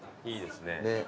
いいですね。